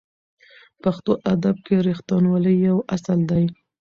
پښتو ادب کې رښتینولي یو اصل دی.